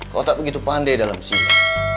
kau tak begitu pandai dalam sinar